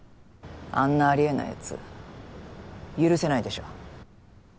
あんなありえないやつ許せないでしょ。